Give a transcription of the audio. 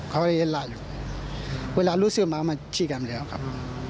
เขาเลยยันหล่าอยู่เวลารู้สึกมากมันชิดกันไปแล้วครับ